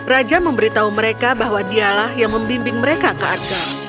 raja memberitahu mereka bahwa dialah yang membimbing mereka ke azhar